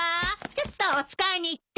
ちょっとお使いに行って。